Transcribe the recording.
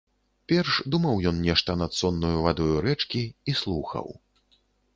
Перш думаў ён нешта над соннаю вадою рэчкі і слухаў.